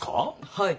はい。